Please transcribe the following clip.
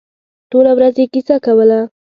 ټوله ورځ یې کیسه کوله.